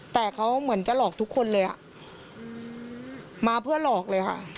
แต่เขาเหมือนจะหลอกทุกคนเลยอ่ะมาเพื่อหลอกเลยค่ะ